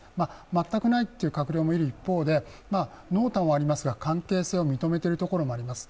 全くないっていう閣僚もいる一方で、濃淡はありますが関係性を認めているところもあります。